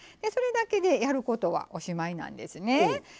それだけでやることはおしまいなんですね。